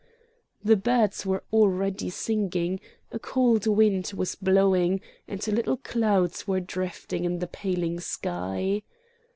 The birds were already singing, a cold wind was blowing, and little clouds were drifting in the paling sky.